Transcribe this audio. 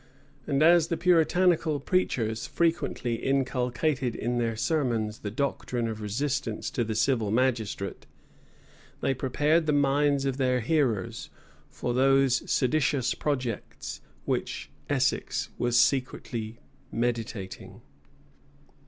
And as the Puritanical preachers frequently inculcated in their sermons the doctrine of resistance to the civil magistrate, they prepared the minds of their hearers for those seditious projects which Essex was secretly meditating.